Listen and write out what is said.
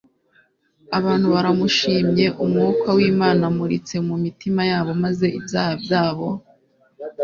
abantu baramushimye, Umwuka w'Imana amuritse mu mitima yabo maze ibyaha byabo